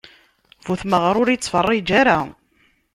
Bu tmeɣṛa ur ittfeṛṛiǧ ara.